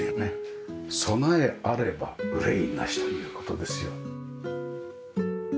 備えあれば憂いなしという事ですよ。